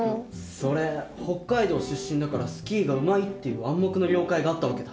それ北海道出身だからスキーがうまいっていう「暗黙の了解」があった訳だ。